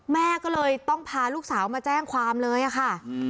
แม่ก็เลยต้องพาลูกสาวมาแจ้งความเลยอะค่ะ